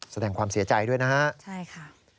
แสดงความเสียใจด้วยนะครับนะครับนะครับใช่ค่ะ